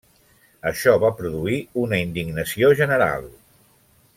Això va produir una indignació general.